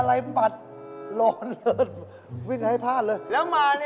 คันคันหัวค่ะคันหัวค่ะคัน